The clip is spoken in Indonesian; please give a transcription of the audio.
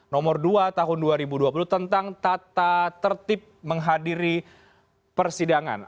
nomor dua tahun dua ribu dua puluh tentang tata tertib menghadiri persidangan